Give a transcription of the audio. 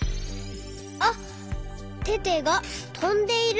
あっテテがとんでいる。